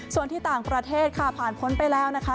ส่วนที่ต่างประเทศค่ะผ่านพ้นไปแล้วนะคะ